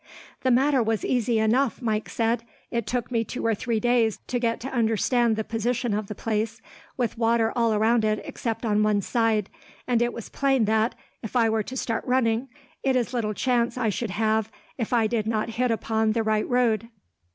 "The matter was easy enough," Mike said. "It took me two or three days to get to understand the position of the place, with water all round it except on one side; and it was plain that, if I were to start running, it is little chance I should have if I did not hit upon the right road.